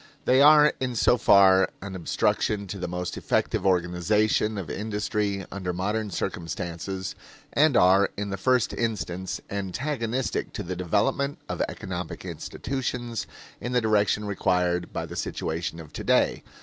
They are in so far an obstruction to the most effective organization of industry under modern circumstances; and are, in the first instance, antagonistic to the development of economic institutions in the direction required by the situation of today.